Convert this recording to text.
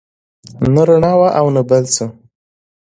نه رڼا وه او نه بل څه.